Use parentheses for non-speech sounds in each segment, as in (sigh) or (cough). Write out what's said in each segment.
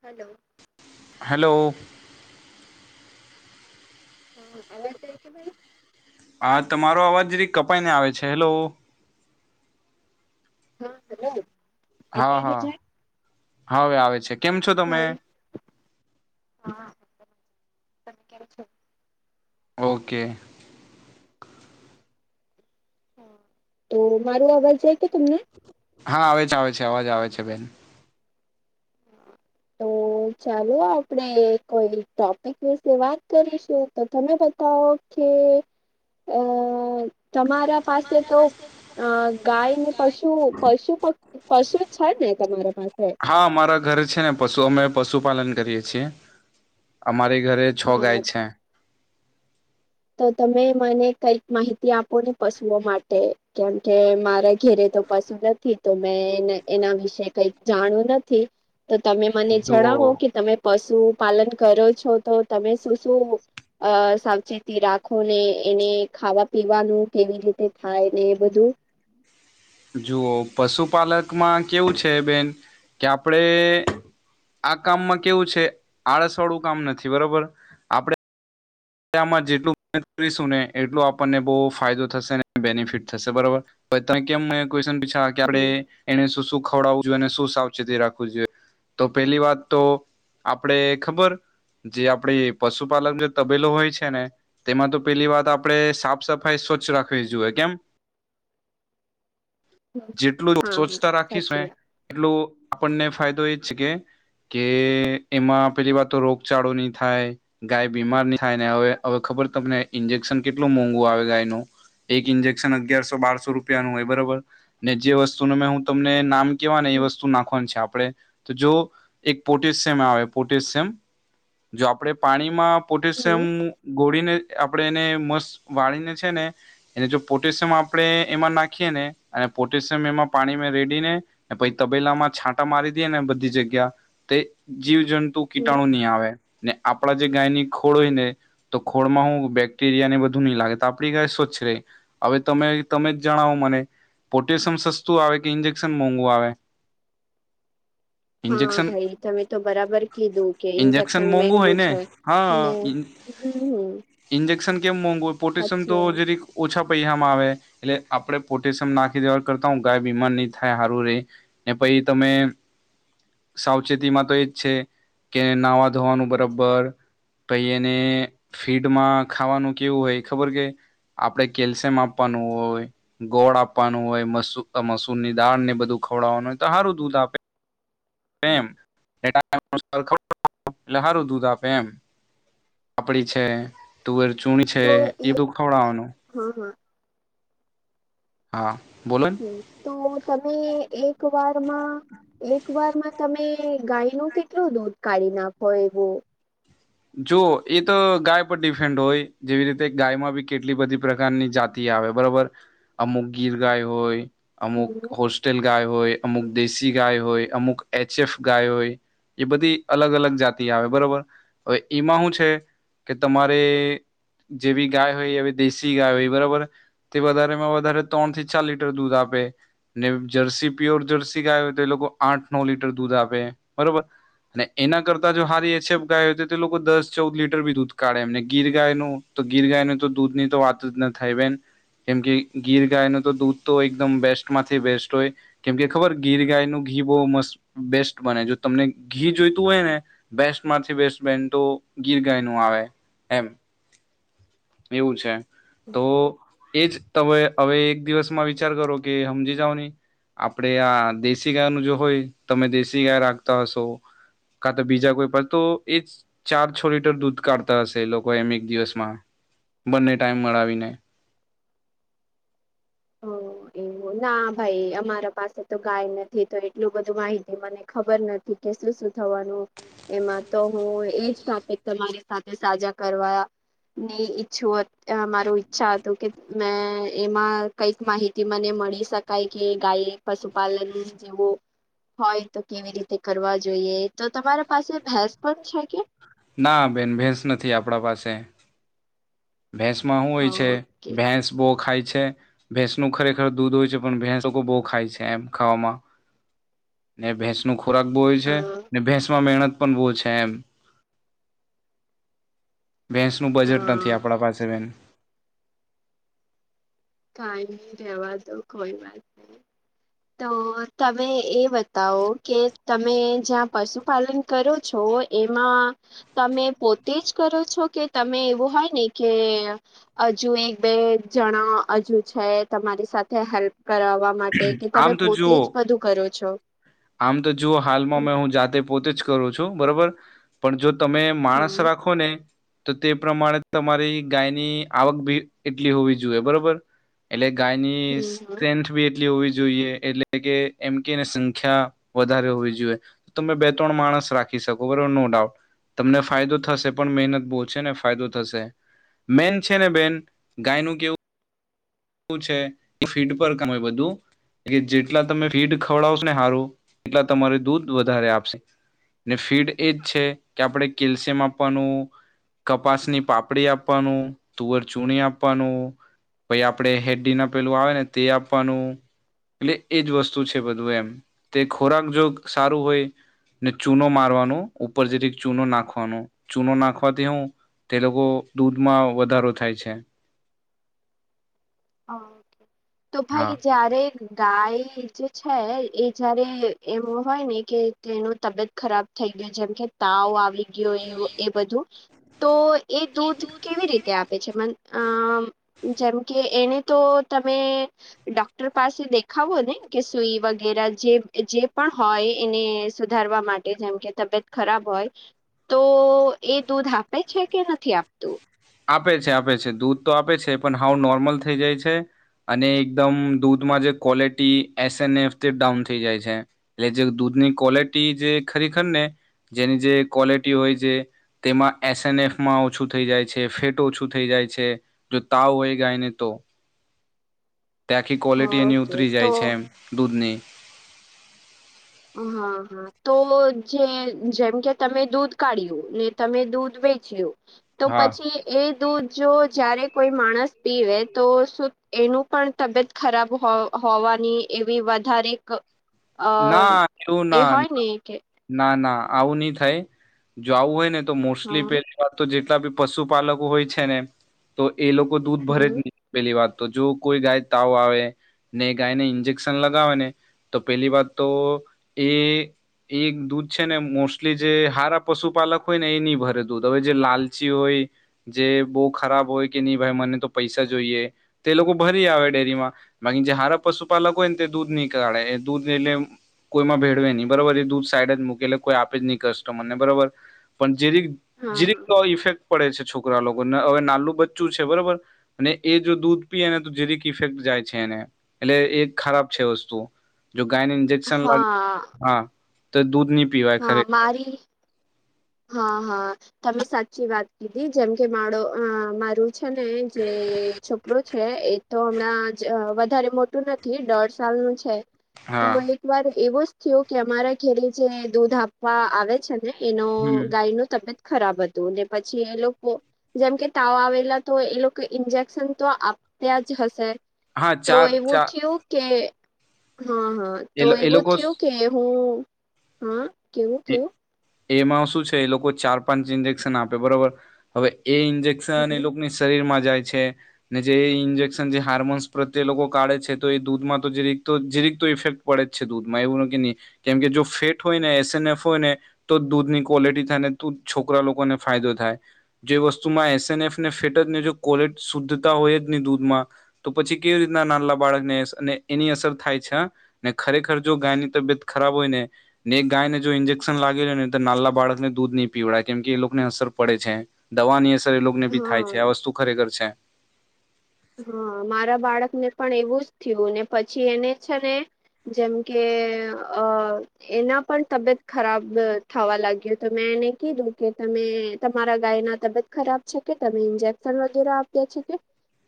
Hello. Hello. હા અવાજ આય કે ભાઈ. હા તમારો અવાજ જરીક કપાઈને આવે છે. હેલો (unintelligible) હા અત્યારે હા જાય હવે આવે છે. કેમ છો છે તમે ભાઈ? હા. તમે કેમ છો? ઓકે. તો મારો અવાજ જાય કે તમને? હા આવે છે આવે છે અવાજ આવે છે બેન. તો. તો ચાલો આપણેે કોઈ ટોપિક વિશે વાત કરીશું. તો તમે બતાવો? કે અ તમારા પાસે તો અ ગાય ને પશુ પશુ પશુ છે ને તમારા પાસે. હા અમારા ઘરે છે ને પશુ અમે પશુપાલન કરીએ છીએ અમારી ઘરે છો હા ગાય છે. તો તમે મને કઈક માહિતી આપો ને પશુઓ માટે કેમ કે મારા ઘેરે તો પશું નથી તો મેં એના એના વિશે કઈક જાણું નથી. તો તમે મને જુઓ જણાવો કે તમે પશુપાલન કરો છો તો તમે શું શું અ સાવચેત તી રાખો ને એને ખાવા પીવાનું કેવી રીતે થાય ને એ બધું જુઓ પશુપાલકમાં કેવું છે બેન કે આપણે આ કામમાં કેવું છે આળસવાળું કામ નથી બરોબર આપણે આમાં જેટલું (unintelligible) કરીશું ને એટલું આપણને બહુ ફાયદો થશે ને બેનિફિટ થશે બરોબર તમે કેમ ક્યુઇશન પૂછા કે આપડે હમ એને શું શું ખવડાવવું જોઈએ અને શું સાવચેતી રાખવી જોઈએ. તો પેલી વાત તો આપડે ખબર જે આપડે પશુપાલન (unintelligible) તબેલો હોય છે ને. તેમાં તો પેલી વાત આપણેે સાફ સફાઈ સ્વચ્છ રાખવી જોઈએ કેમ હમ. (inaudible) જેટલું હા હા સ્વચતા રાખીશ ને સાચી વાત એટલું આપણને ફાયદો એ જ છે કે. કે એમાં પેલી વાત તો રોગચાળો નહી થાય ગાય બીમાર ની થાય ને હવે હવે ખબર તમને ઇન્જેક્શન કેટલું મોંઘુ આવે ગાય નું એક ઇન્જેક્શન અગિયારસો બારસો રૂપિયા નું હોય બરોબર ને જે વસ્તુનું મેં હું તમને નામ કેવા ને વસ્તુ નાખવાની છે આપડે તો જો એક પોટેશિયમ આવે પોટેશિયમ જો આપણે પાણીમાં પો ટેશિયમ હમ ગોળીને આપણે એને મસ્ત પાળીને છે ને એને જો પોટેશિયમ આપણે એમાં નાખીએ ને અને પોટેશિયમ એમાં પાણીમાં રેડીને પછી તબેલા માં છાંટા મારી દે ને બધી જગ્યા તે જીવજંતુ હમ કીટાણુ નહીં આવે ને આપણા જે ગાયની ખોળ હોય ને તો ખોળ માં હું બેક્ટેરિયા ને બધું મિલાવે તો આપડી ગાય સ્વચ્છ રે હવે તમે તમે જ જણાવો મને પોટેશિયમ સસ્તું આવે કે ઇન્જેક્શન મોંઘું આવે. (inaudible) હા ઇન્જેક્શન ભાઈ તમે તો બરાબર કીધું કે ઇન્જેક્શન મોંઘું હોય મેઘૂ ને છે. ને હા હમ ઇન્જેક્શન કેમ મોઘું હોય પોટેશિયમ સાચી તો વાત જરીક ઓછા પૈસા માં આવે એટલે આપડે પોટેશિયમ નાખી દેવા કરતા હું ગાય બીમાર નહી થાય હારું રે ને પછી તમે. સાવચેતીમાં તો એજ છે કે નાવા ધોવાનું બરાબર પઈ એને ફીડમાં ખાવાનું કેવું હોય ખબર કે આપડે કેલ્શિયમ આપવાનું હોય. ગોળ આપવાનું હોય મસુ મસૂર ની દાળ ને બધું ખવડાવવાનું હોય તો હારું દૂધ આપે લારું દૂધ આપે એમ (unintelligible) પાપડી છે તુવેર ચૂણી છે એ બધું ખવડાવવાનું હા હા. હા બોલે. હમ તો તમે એક વારમાં એક વારમાં તમે ગાય નૂ કેટલું દૂધ કાઢી નાખો એવું જો એ તો ગાય પર ડિપેન્ડ હોય જેવી રીતે ગાયમાં બી કેટલી બધી પ્રકારની જાત તી આવે બરોબર અમુક ગીર ગાય હોય અમુક હોશ ટેલ ગાય હોય અમુક દેશી ગાય હોય અમુક એચ એફ ગાય હોય એ બધી અલગ અલગ જાતિ આવે બરોબર કે એમાં હું છે કે તમારે જેવી ગાય હોય એવી દેશી ગાય હોય બરોબર તે વધારેમાં વધારે ત્રણ થી ચાર લીટર દૂધ આપે ને જર્સી પ્યોર જર્સી ગાય હોય તો એ લોકો આઠ નો લીટર દૂધ આપે બરોબર અને એના કરતા જો હારી એ હેછેબ ગાય તે લોકો દસ ચૌદ લીટર બી દૂધ કાઢે એમને ગીર ગાય નું તો ગીર ગાય ન તો દૂધ ની તો વાત જ ન થાય બેન કેમ કે ગીર ગાય નુ તો દૂધ તો એકદમ બેસ્ટ માંથી બેસ્ટ હોય. કેમકે ખબર ગીર ગાય નુ ઘી બહુ મસ્ત બેસ્ટ બને જો તમને ઘી જોઈતું હોય ને બેસ્ટ માંથી બેસ્ટ બેન તો ગીર ગાય નું આવે એમ એવું છે. તો એજ તમે હવે એક દિવસમાં વિચાર કરો કે હમજી જાવ નહી. આપણેે આ દેશી ગાય નું જો હોય તમે દેશી ગાય રાખતા હશો. કા તો બીજા કોઈ પણ તો એ ચાર છ લીટર દૂધ કાઢતા હશે લોકો એમ એક દિવસમાં બંને ટાઈમ મળાવીને હો એ ના ભાઈ અમારા પાસે તો ગાય નથી તો એટલું બધું માહિતી મને ખબર નથી. કે શું શું થવાનું એમાં તો હું એજ ટોપિક તમારી સાથે સાજા કરવાયા ની ઈચ્છું અ મારુ ઈચ્છા હતું કે મેં એમાં કઈક માહિતી મને મળી શકાય કે ગાય પશુપાલન જેવો હોય તો કેવી રીતે કરવા જોઈએ તો તમારા પાસે ભેંસ પણ છે કે ના બેન ભેંસ નથી આપણા પાસે ભેસમાં હું હોય છે ઓકે ભેંસ બો ખાય છે. ભેંસ નુ ખરેખર દૂધ હોય છે પણ ભેંસ લોકો બહુ ખાય છે એમ ખાવામાં (inaudible) ને ભેંસ નો ખોરાક બો હોય અ છે ને ભેંસ માં મહેનત પણ બો છે એમ ભૈસ નું બજેટ નથી. હા આપણ પાસે બેન કઈ ની રેવા તો કોઈ વાત નઈ તો તમે એ બતાવો કે તમે જ્યાં પશુપાલન કરો છો એમાં તમે પોતે જ કરો છો કે તમે એવું હોય ને કે હજુ એક બે જણા હજુ છે તમારી સાથે હેલ્પ કરાવવા માટે કે તમે આમ તો જુઓ પોતે જ બધું કરો છો. આમ તો જુઓ હાલમાં હમ મે હું જાતે પોતે જ કરું છું બરાબર પણ જો તમે માણસ હમ રાખો ને તો તે પ્રમાણે તમારી ગાયની આવક ભી એટલી હોવી જોઈએ બરોબર એટલે ગાયની હમ હમ સ્ટ્રેન્થ બી એટલી હોવી જોઈએ એટલે કે એમ કેને સં વધારે હોવી જોઈએ તો તમે બે ત્રણ માણસ રાખી શકો બરોબર નો ડઉટ તમને ફાયદો થશે પણ મહેનત બહો છે ને ફાયદો થશે. મન છે ને બેન ગાયનું કેવ શું છે એ ફીડ પર કમે બધું કે જેટલા તમે ફીડ ખવડાવશો ને સારો એટલા તમારે દૂધ વધારે આપશે ને ફીડ એજ છે કે આપણે કેલ્શિયમ આપવાનું કપાસ ની પાપડી આપવાનું તુવર ચૂણી આપવાનું પ આપણેે હેડી ના પેલું આવે ને તે આપવાનું એટલે એજ વસ્તુ છે બધું એમ તે ખોરાક જો સારું હોય ને ચૂનો મારવાનો ઉપર જેથી ચૂનો નાખવાનો ચૂનો નાખવાથી હું તે લોકો દૂધમાં વધારો થાય છે. ઓકે તો હા ભાઈ જયારે ગાય જે છે એ જયારે એમ હોય ને કે તેનું તબિયત ખરાબ થઈ ગય જેમ કે તાઓ આવી એ બધું તો એ દૂધ કેવી રીતે આપ જેમ કે એને તો તમે ડોક્ટર પાસે દેખાવો ને કે સુઈ વગેરે જે જે પણ હોય એને સુધારવા માટે જેમ કે તબિયત ખરાબ હોય તો એ દૂધ આપે છે. કે નથી આપતું આપે છે. આપે છે. દૂધ તો આપે છે. પણ હાવ નોર્મલ થઈ જાય છે. અને એકદમ દૂધમાં જે ક્વોલિટી એસએન એફથી ડાઉન થઈ જાય છે. એટલે જે દૂધની ક્વોલિટી જે ખરેખર ને જેની જે ક્વોલિટી હોય છે તેમાં એસએનએફમાં ઓછું થઈ જાય છે. ફેટ ઓછું થઈ જાય છે. જો તાવ હોય ગાયને તો તે આખી ક્વોલિટી એની ઓકે ઉતરી તો જાય છે એમ દૂધની હ હા હા તો જે જેમ કે તમે દૂધ કાઢ્યું ને તમે દૂધ વેચ્યું? તો હા પછી એ દૂધ જો જયારે કોઈ માણસ પીવે તો શ એનું પણ? તબિયત ખરાબ હો હોવાની એવી વધારે અ ના એવું એ ના હોય ને કે ના ના આવું નહી થાય, જો આવું હોય ને તો મોસ્ટલી હા પે તો જેટલા બી પશુપાલકો હોય છે. ને તો એ લોકો દૂધ ભરે જ હમ નહીં પેલી વાત તો જો કોઈ ગાય તાવ આવે ને ગાયને ઇન્જેક્શન લગાવે ને તો પેલી વાત તો એ એ દૂધ છે. ને મોસ્ટલી જે હારા પશુપાલક હોય ને એ નહી ભરે દૂધ હવે જે લાલચી હોય જે બહુ ખરાબ હોય કે નહી ભાઈ મને તો પૈસા જોઈએ તે લોકો ભરી આવે ડેરીમાં મા જે હાર પશુપાલક હોય ને દૂધ નની કાળે દૂધ નેલે કોઈમાં ભેડવે નહી બરોબર એ દેધ સાઈડ જ મુકે દે કોઈ આપે જ નહી કસ્ટમર ને બરોબર, પણ જે રી હા જે રીક હા તો ઇફેક પડે છે. છોકરા લોકો ને હવે નાલું બચ્ચું છે. બરોબર અને એ જો દૂધ પી એને તો જેઝરીક ઇફેક્ટ જાય છે. એને એટલે એ ખરાબ છે. વસ્તુ જો ગાયને ઇન્જેક્શન લાગે હા હા તો દૂધ નની હા મારી હા હા તમે સાચી વાત કીધી, જેમ કે મારો મારી છે. ને જે છોકરો છે. એ તો હમણાં જ વધારે મોટું નથી દોઢ સાલનુંું છે. તો હા એક એક વાર એવો જ થયો કે, અમારા ઘેરે જે દૂધ આપવા આવે છે ને એનો હમ ભાઈ નુ તબિયત ખરાબ હતું ને પછી એ લોકો જેમકે તાવ આવેલા તો એ લોકો ઇન્જેક્શન તો આપયા જ હશે હા તો ચાર એવું ચાર કેવુ કે હા હા તો એ લો- એ એવું લોકો કેવુ કે હું હા કેવું કેવું એમાં શું છે. એ લોકો ચાર પાંચ ઇન્જેક્શન આપે બરોબર હવે એ ઇન્જ સન એ લોકોની શરીર માં જાય છે. ને જે ઇન્જેક્શન જે હાર્મોન્સ પ્રત્યે લોકો કાઢે છે. તો એ દૂધમાં તોજ રીક તો જરીક ઇફેક્ટ પડે છે. દૂધમાં એવું ને કી નહી કેમ કે જો ફેટ હોય ને એસ એન એફ હોય ને તો દૂધની ક્વોલિટી થાય ને તો છોકરા લોકોને ફાયદો થાય જે વસ્તુમાં એસએન એફ ને ફેટ જ ને ક્વોલિટી શુદ્ધતા હોય જ નહી દૂધમાં તો પછી કેવી રીતના નાનલા બાળકને એની અસર થાય છે. ને ખરેખર જો ગાયની તબિયત ખરાબ હોય ને ને એક ગાયને જો ન્જે ઈન્જેક્શન લાગેલું ની તો નાલા બાળકને દૂધ નહીં પીવડાયે કેમ કે એ લોકો ને અસર પડે છે દવા ની તે લોક ને ભી થાય હા છે. આ વસ્તુ ખરેખર છે. હા મારા બાળક ને પણ એવું જ થયું ને પછી એને છે. ને જેમ કે અ. એના પણ તબિયત ખરાબ અ થવા લાગ્યો તો મેં એને કીધું કે તમે તમારા ગાય ના તબિયત ખરાબ છે કે તમે ઇન્જેક્શન વગેરે આપ્યા છે કે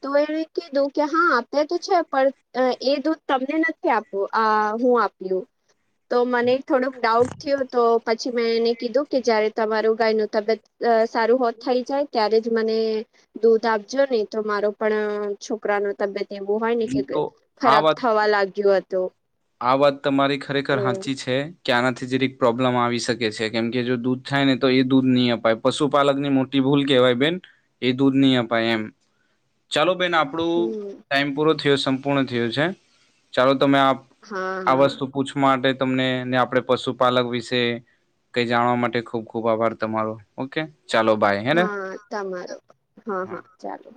તો એને કીધું કે હા આપ્યા તો છે પણ અ એ દૂધ તમને નથી આપ આ હું આપ્યું તો મને થોડોક ડાઉટ થયો તો પછી મેં એને કીધું કે જયારે તમારું ગાયનું તબિયત અ સારું હોત થઈ જાય ત્યારે જ મને દૂધ આપજો નઈ તો મારો પણ છોકરા નું તબિયત એવું હોય ને કે તો આ ખરાબ વાત થવા લાગ્યો હતો. આ વાત તમારી ખરેખર હાચી છે. ક્યા આનાથી જેરીક પ્રોબ્લેમ આવી શકે છે કેમ કે જો દૂધ થાય ને તો એ દૂધ નહીં અપાય પશુપાલક ની મો ટી ભૂલ કેવાય બેન એ દૂધની અપાય એમ ચાલો બેન આપ આપડુ હમ ટાઈમ પૂરો થયો સંપૂર્ણ થયો છે ચાલો તમે આપ હા આ વસ્તુ પૂછ માટે તમને ને આપડે પશુપાલક વિશે કંઈ જાણવા માટે ખૂબ ખૂબ આભાર તમારો ઓકે. ચાલો બાય. હેને હા તમારો હા હા ચાલો